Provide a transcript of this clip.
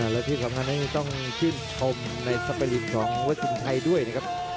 และที่สำคัญนั้นต้องชื่นชมในสปริตของวัชินชัยด้วยนะครับ